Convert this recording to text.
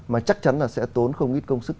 mà chắc chắn là sẽ tốn không ít công sức